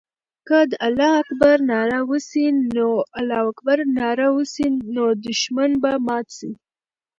که د الله اکبر ناره وسي، نو دښمن به مات سي.